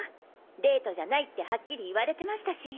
「デートじゃない」ってはっきり言われてましたし。